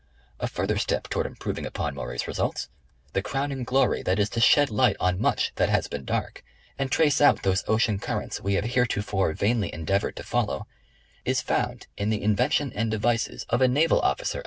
A further step towards improving on Maury's results ; the crowning glory that is to shed light on much that has been dark, and trace out those ocean currents we have heretofore vainly endeavored to fol low, is found in the invention and devices of a naval officer The Survey of the Coast.